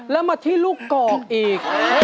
แล้วมาที่ลูกกอกอีก